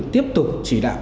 tiếp tục chỉ đạo